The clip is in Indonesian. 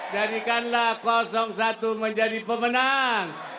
jadikanlah satu menjadi pemenang